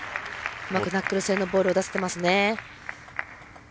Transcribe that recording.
うまくナックル性のボールを出せていますね。